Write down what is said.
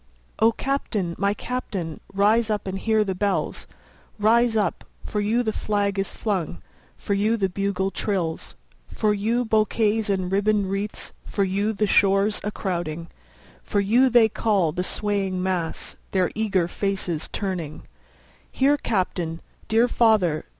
O Captain! my Captain! rise up and hear the bells; Rise up—for you the flag is flung—for you the bugle trills, 10 For you bouquets and ribbon'd wreaths—for you the shores crowding, For you they call, the swaying mass, their eager faces turning; Here, Captain! dear father!